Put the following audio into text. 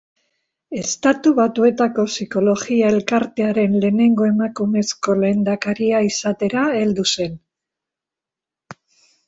Estatu Batuetako Psikologia Elkartearen lehenengo emakumezko lehendakaria izatera heldu zen.